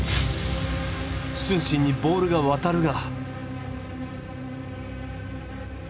承信にボールが渡るが。